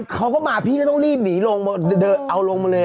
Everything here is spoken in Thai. เขาก็มาพี่ก็ต้องรีบหนีลงเดินเอาลงมาเลย